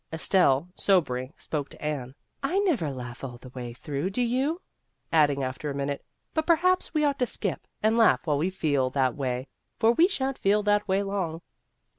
Estelle, sobering, spoke to Anne :" I never laugh all the way through, do you ?" adding after a minute, " But perhaps we ought to skip and laugh while we feel that way, for we sha'n't feel that way long."